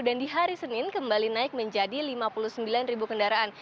dan di hari senin kembali naik menjadi lima puluh sembilan ribu kendaraan